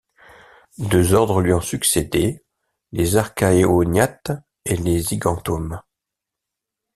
Deux ordres lui ont succédé, les archaeognathes et les zygentomes.